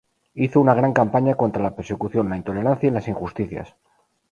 Hizo una gran campaña contra la persecución, la intolerancia y las injusticias.